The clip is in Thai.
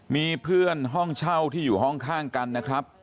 มีเพื่อนห้องเช่าที่อยู่ห้องข้างกันนะครับ